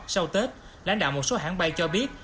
sau tết lãnh đạo một số hãng bay cho biết